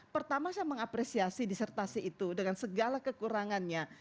pertama saya mengapresiasi disertasi itu dengan segala kekurangannya